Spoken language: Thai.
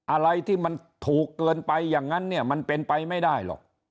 อะไรที่มันถูกเกินไปอย่างนั้นเนี่ยมันเป็นไปไม่ได้หรอก